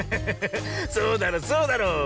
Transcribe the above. そうだろそうだろう。